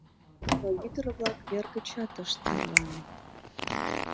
Но ӱдыр-влак вер гычат ышт тарване.